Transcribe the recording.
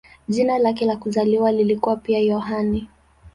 Jina lake la kuzaliwa lilikuwa pia "Yohane".